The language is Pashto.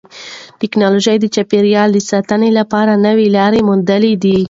تکنالوژي د چاپیریال د ساتنې لپاره نوې لارې موندلې دي.